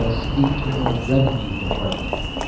S. Internal Revenue Department.